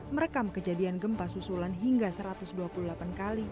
merekam kejadian gempa susulan hingga satu ratus dua puluh delapan kali